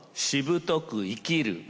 「しぶとく生きる」。